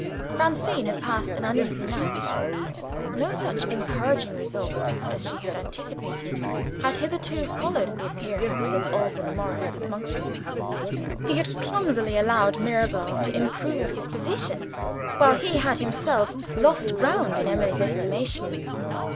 Francine had passed an uneasy night. No such encouraging result as she had anticipated had hitherto followed the appearance of Alban Morris at Monksmoor. He had clumsily allowed Mirabel to improve his position while he had himself lost ground in Emily's estimation.